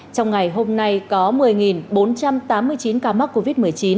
trong ngày hôm nay có một mươi bốn trăm tám mươi chín ca mắc covid một mươi chín